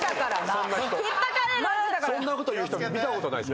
そんなこと言う人見たことないっすよ。